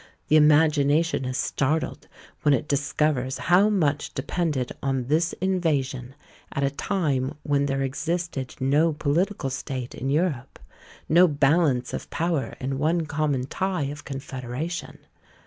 The imagination is startled when it discovers how much depended on this invasion, at a time when there existed no political state in Europe, no balance of power in one common tie of confederation!